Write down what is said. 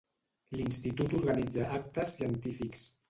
L'institut organitza actes científics.